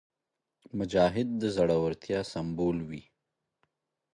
مجاهد د زړورتیا سمبول وي.